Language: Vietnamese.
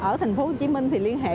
ở thành phố hồ chí minh thì liên hệ